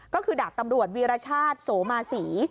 ก็คือดาบตำรวจวีรชาติโสมาศรี